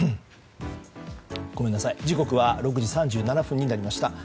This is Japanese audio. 時刻は６時３７分になりました。